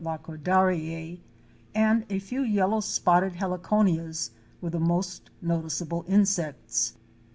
lacordairei) and a few yellow spotted Heliconias were the most noticeable insects.